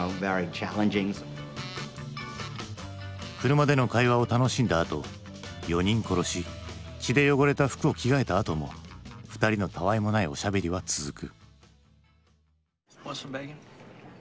車での会話を楽しんだあと４人殺し血で汚れた服を着替えたあとも２人のたわいもないおしゃべりは続く。